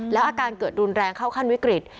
แล้วอาการเกิดรุนแรงเข้าขั้นวิกฤต